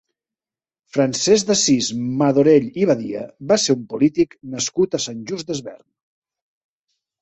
Francesc d'Assís Madorell i Badia va ser un polític nascut a Sant Just Desvern.